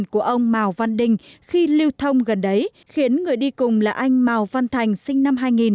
những vụ sạt núi của ông mào văn đình khi lưu thông gần đấy khiến người đi cùng là anh mào văn thành sinh năm hai nghìn